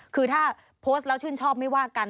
คือถ้าโพสต์แล้วชื่นชอบไม่ว่ากัน